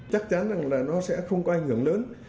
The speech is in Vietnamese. chắc chắn rằng là nó sẽ không có ảnh hưởng lớn